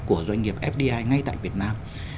của doanh nghiệp fdi ngay tại việt nam